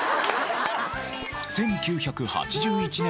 １９８１年発売